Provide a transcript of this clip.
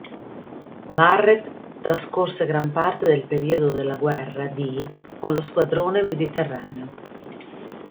Barrett trascorse gran parte del periodo della guerra di con lo Squadrone Mediterraneo.